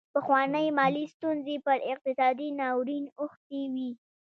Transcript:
پخوانۍ مالي ستونزې پر اقتصادي ناورین اوښتې وې.